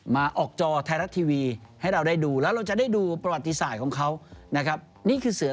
ในแต่ละแมตต์แต่ละเกมคือ